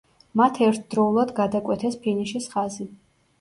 მათ ერთდროულად გადაკვეთეს ფინიშის ხაზი.